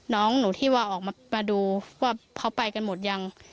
น้องหนูที่ว่าออกมามาดูว่าเขาไปกันหมดยัง